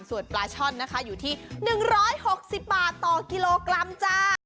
ส่วนปลาช่อนนะคะอยู่ที่๑๖๐บาทต่อกิโลกรัมจ้า